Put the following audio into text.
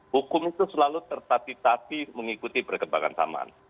hukum itu selalu tertati tati mengikuti perkembangan zaman